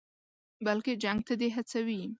بلکې جنګ ته دې هڅوي.